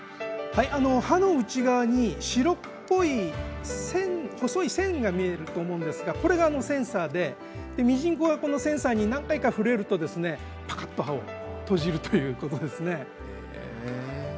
葉の内側に白っぽく細い線が見えると思うんですがこれがセンサーでミジンコがこのセンサーに何回か触れるとぱかっと葉を閉じるということですね。